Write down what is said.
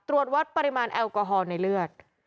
ตรวจวัดปริมาณแอลกอฮอล์ในเลือด